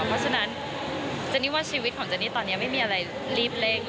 เพราะฉะนั้นเจนนี่ว่าชีวิตของเจนี่ตอนนี้ไม่มีอะไรรีบเร่ง